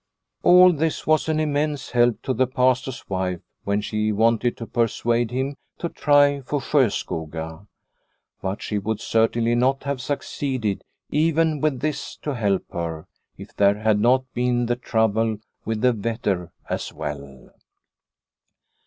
All this was an immense help to the Pastor's wife when she wanted to persuade him to try for Sjoskoga. But she would certainly not have succeeded, even with this to help her, if there had not been the trouble with Vetter as well.